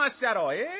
ええ？